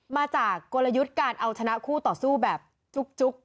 มาจากกลยุทธ์การเอาชนะคู่ต่อสู้แบบจุ๊บ